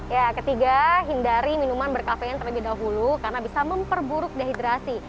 ya ketiga hindari minuman berkafein terlebih dahulu karena bisa memperburuk dehidrasi